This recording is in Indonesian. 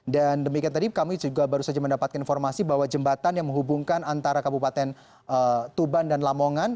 dan demikian tadi kami juga baru saja mendapatkan informasi bahwa jembatan yang menghubungkan antara kabupaten tuban dan lamongan